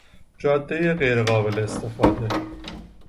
جادهی غیرقابل استفاده